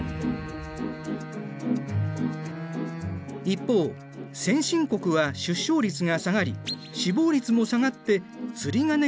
一方先進国は出生率が下がり死亡率も下がって釣鐘型になる。